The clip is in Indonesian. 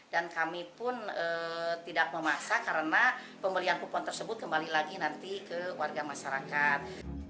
dan kami pun tidak memaksa karena pembelian kupon tersebut kembali lagi nanti ke warga masyarakat